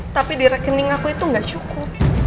tapi di rekening aku itu nggak cukup